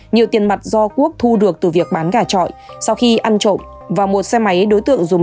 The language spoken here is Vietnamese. nhiều tiền mặt do quốc thu được từ việc bán gà trọi sau khi ăn trộm và một xe máy đối tượng dùng